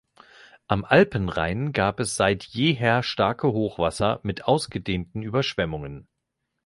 Am Alpenrhein gab es seit jeher starke Hochwasser mit ausgedehnten Überschwemmungen.